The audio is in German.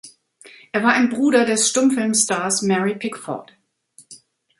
Er war ein Bruder des Stummfilmstars Mary Pickford.